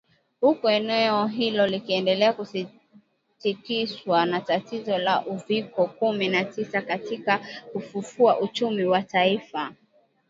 huku eneo hilo likiendelea kutikiswa na tatizo la uviko kumi na tisa katika kufufua uchumi wa taifa